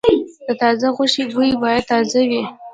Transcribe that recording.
د تازه غوښې بوی باید تازه وي.